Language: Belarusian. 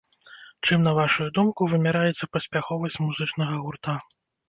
Чым, на вашу думку, вымяраецца паспяховасць музычнага гурта?